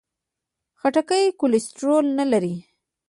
خټکی کولیسټرول نه لري.